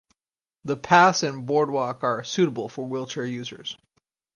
The paths and boardwalk are suitable for wheelchair users.